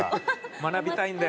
学びたいんだよ。